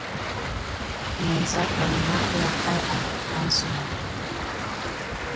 Məsamgəŋ mahkià pay an kəpelsouwa.